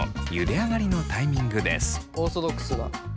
オーソドックスだ。